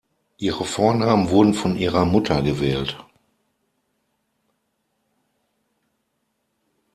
Ihre Vornamen wurden von ihrer Mutter gewählt.